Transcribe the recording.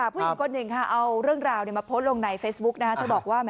ก็เพิ่งก้อนหนึ่งค่ะเอาเรื่องราวท์เนี่ยมาโพสต์ลงในเฟซบุ๊คนะก็บอกว่าแหมให้